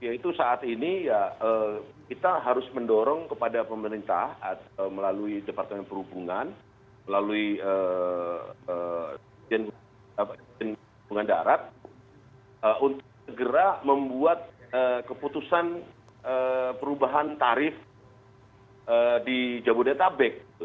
yaitu saat ini ya kita harus mendorong kepada pemerintah melalui departemen perhubungan melalui presiden perhubungan darat untuk segera membuat keputusan perubahan tarif di jabodetabek